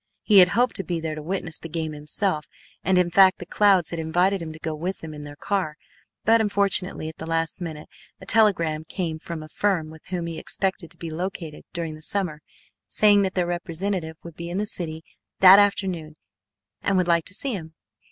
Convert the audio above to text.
He had hoped to be there to witness the game himself, and in fact the Clouds had invited him to go with them in their car, but unfortunately at the last minute a telegram came from a firm with whom he expected to be located during the summer, saying that their representative would be in the city that afternoon and would like to see him.